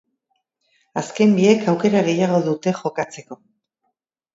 Azken biek aukera gehiago dute jokatzeko.